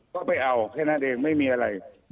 ก็ไปเอาแค่นั้นเองไม่มีอะไร